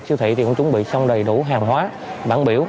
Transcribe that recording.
siêu thị thì cũng chuẩn bị xong đầy đủ hàng hóa bản biểu